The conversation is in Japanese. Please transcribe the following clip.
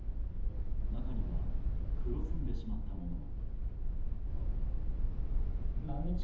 中には黒ずんでしまったものも。